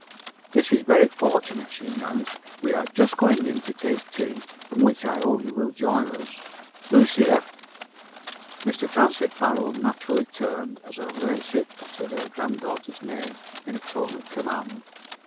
"This is very fortunate," she announced. "We are just going in to take tea, in which I hope you will join us. Lucia" Mr. Francis Barold naturally turned, as her ladyship uttered her granddaughter's name in a tone of command.